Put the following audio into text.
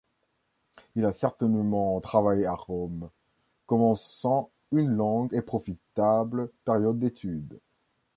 Il a certainement travaillé à Rome, commençant une longue et profitable période d'études.